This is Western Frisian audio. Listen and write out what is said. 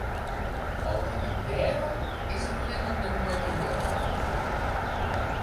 Allinne dêrom is it libben de muoite wurdich.